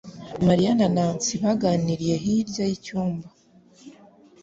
Mariya na Nancy baganiriye hirya y'icyumba